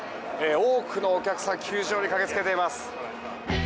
多くのお客さんが球場に駆けつけています。